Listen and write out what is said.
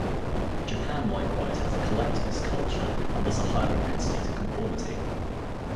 Japan likewise has a collectivist culture and thus a higher propensity to conformity.